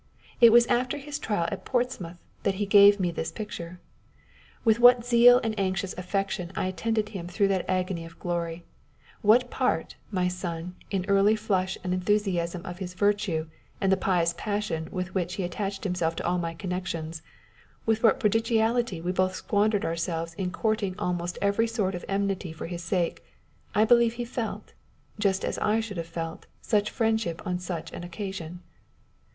It was after his trial at Porstmouth that he gave me this picture. With what zeal and anxious affection I attended him through that his agony of glory ; what part, my son, in early flush and enthusiasm of his virtue and the pious passion with which he attached himself to all my connections, with what prodigality we both squandered ourselves in courting almost every sort of enmity for his sake, I believe he felt, just as I should have felt, such friendship on such an occasion."